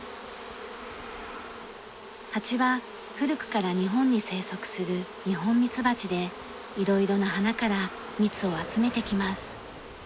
ハチは古くから日本に生息するニホンミツバチで色々な花から蜜を集めてきます。